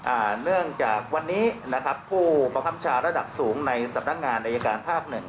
เนื่องจากวันนี้นะครับผู้บังคับชาระดับสูงในสำนักงานอายการภาคหนึ่ง